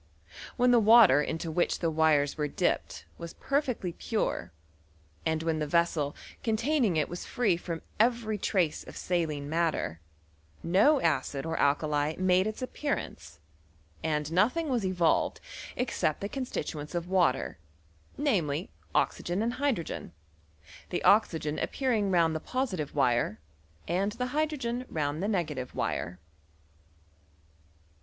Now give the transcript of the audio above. When the water into which the wires were dipped was perfectly pure, and when the vessel containing it was free from every trace of saline matter, no acid or al kali made its appearance, and nothing was evolved except the constituents of water, namely, oxygen and hydrogen ; the oxygen appearing round the positive wire, and the hydrogen round the negative wire.